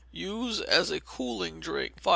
Use as cooling drink. 568.